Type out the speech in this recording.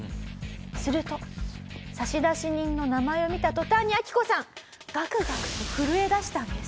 すると差出人の名前を見た途端にアキコさんガクガクと震えだしたんです。